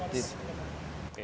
karena sering kali